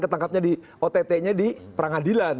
ketangkapnya di ott nya di peradilan